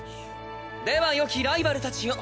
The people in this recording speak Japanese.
ではよきライバルたちよ！